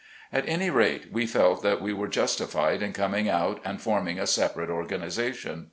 At any rate we felt that we were justified in com ing out and forming a separate organization.